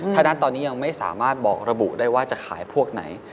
ถ้านั้นตอนนี้ยังไม่สามารถบอกระบุได้ว่าจะขายพวกไหน